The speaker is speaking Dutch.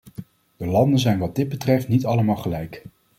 De landen zijn wat dit betreft niet allemaal gelijk.